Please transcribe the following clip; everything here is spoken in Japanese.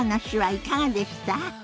いかがでした？